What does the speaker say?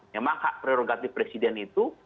memang hak prerogatif presiden itu